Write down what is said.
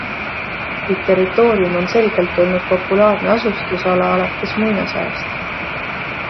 Kuid territoorium on selgelt olnud populaarne asustusala alates muinasajast.